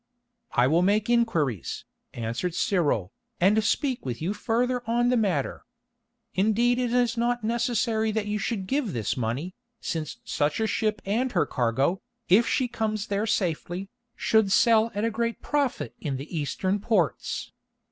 "I will make inquiries," answered Cyril, "and speak with you further on the matter. Indeed it is not necessary that you should give this money, since such a ship and her cargo, if she comes there safely, should sell at a great profit in the Eastern ports.